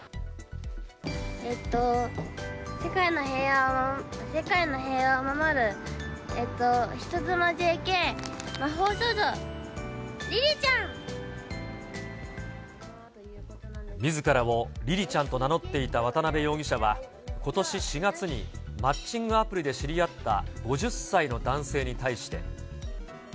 えっと、世界の平和を守る、人妻ＪＫ魔法少女りりちゃん！みずからをりりちゃんと名乗っていた渡辺容疑者は、ことし４月にマッチングアプリで知り合った５０歳の男性に対して。